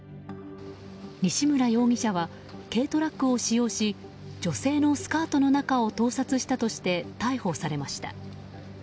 西村容疑者は軽トラックを使用し女性のスカートの中を盗撮したとして逮捕されました。